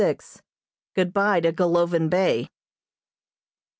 GOOD BYE TO GOLOVIN BAY.